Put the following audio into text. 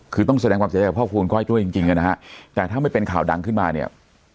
คือต้องแสดงความเสียใจกับพ่อคุณก้อยด้วยจริงจริงนะฮะแต่ถ้าไม่เป็นข่าวดังขึ้นมาเนี่ย